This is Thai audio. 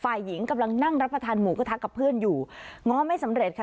ฝ่ายหญิงกำลังนั่งรับประทานหมูกระทะกับเพื่อนอยู่ง้อไม่สำเร็จค่ะ